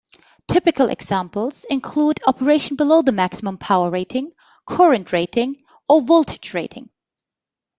Typical examples include operation below the maximum power rating, current rating, or voltage rating.